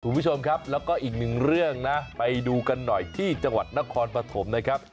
คุณผู้ชมครับแล้วก็อีกหนึ่งเรื่องนะไปดูกันหน่อยที่จังหวัดนครปฐมนะครับ